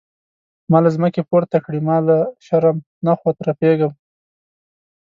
ما له ځمکې پورته کړي ما له شرم نخوت رپیږم.